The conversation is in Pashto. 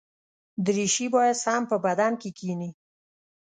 دریشي باید سم په بدن کې کېني.